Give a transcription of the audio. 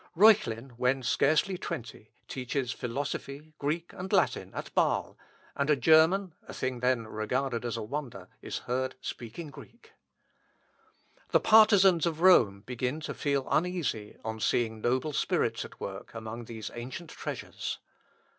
Reuchlin, when scarcely twenty, teaches Philosophy, Greek, and Latin, at Bâsle, and a German (a thing then regarded as a wonder) is heard speaking Greek. The partizans of Rome begin to feel uneasy on seeing noble spirits at work among these ancient treasures.